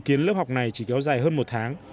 dự kiến lớp học này chỉ kéo dài hơn một tháng